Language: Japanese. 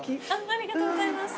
ありがとうございます。